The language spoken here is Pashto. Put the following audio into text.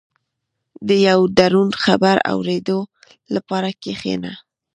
• د یو دروند خبر اورېدو لپاره کښېنه.